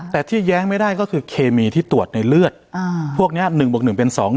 แต่ที่แย้งไม่ได้ก็คือเคมีที่ตรวจในเลือดอ่าพวกเนี้ยหนึ่งบวกหนึ่งเป็นสอง